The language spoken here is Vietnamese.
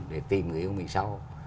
để tìm người yêu mình sau